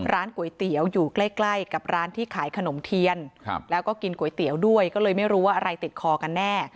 ร้านก๋วยเตี๋ยวอยู่ใกล้ใกล้กับร้านที่ขายขนมเทียนแล้วก็กินก๋วยเตี๋ยวด้วยก็เลยไม่รู้ว่าอะไรติดคอกันแน่